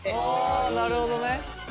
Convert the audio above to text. あなるほどね！